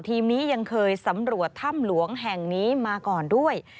ทีมนี้ยังเคยสำรวจถ้ำหลวงแห่งนี้มาก่อนด้วย